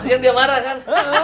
yang dia marah kan